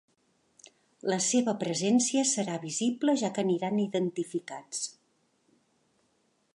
La seva presència serà visible ja que aniran identificats.